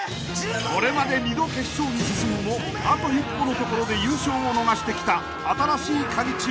［これまで２度決勝に進むもあと一歩のところで優勝を逃してきた新しいカギチーム］